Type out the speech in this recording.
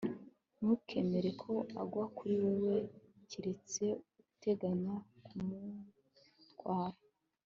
ntukemere ko agwa kuri wewe, kiretse uteganya kumutwara